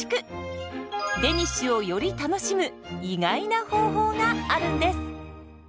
デニッシュをより楽しむ意外な方法があるんです。